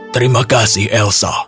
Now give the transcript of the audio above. terima kasih elsa